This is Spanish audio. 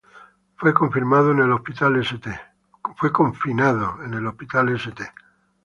Fue confinado en el Hospital St.